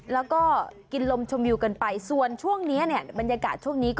แล้วก็กินลมชมวิวกันไปส่วนช่วงนี้เนี่ยบรรยากาศช่วงนี้ก็